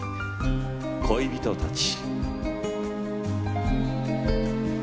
「恋人たち」。